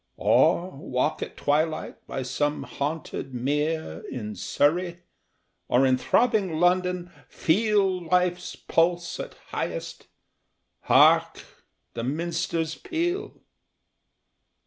Or walk at twilight by some haunted mere In Surrey; or in throbbing London feel Life's pulse at highest hark, the minster's peal!